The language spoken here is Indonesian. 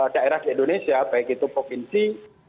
daerah di indonesia baik itu provinsi